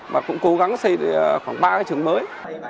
và cũng cố gắng xây khoảng ba trường mới